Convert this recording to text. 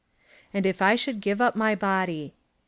And if I shoidd give up my body.